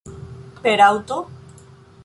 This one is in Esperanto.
Per aŭto?